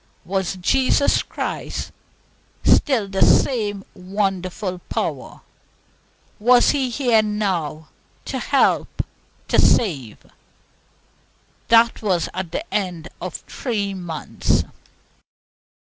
Was Jesus Christ still the same wonderful power? Was He here now to help, to save? That was at the end of three months.